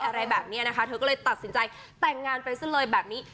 อะไรแบบนี้นะคะเธอก็เลยตัดสินใจแต่งงานไปซะเลยแบบนี้